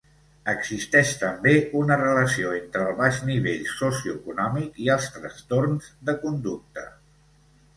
Existeix també una relació entre el baix nivell socioeconòmic i els trastorns de conducta.